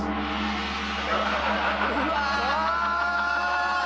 うわ！